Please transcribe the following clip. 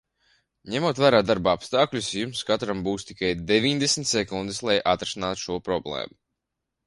Ņemot vērā darba apstākļus, jums katram būs tikai deviņdesmit sekundes, lai atrisinātu šo problēmu.